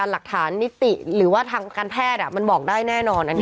อาหารแล้วจิตตกรู้ไหม